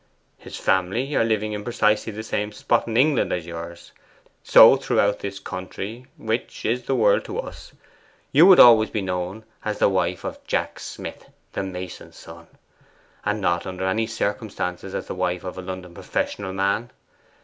His family are living in precisely the same spot in England as yours, so throughout this county which is the world to us you would always be known as the wife of Jack Smith the mason's son, and not under any circumstances as the wife of a London professional man.